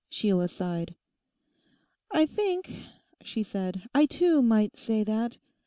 Sheila sighed. 'I think,' she said, 'I too might say that.